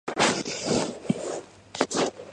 იყო და არა იყო რა, ღვთის უკეთესი რა იქნებოდა.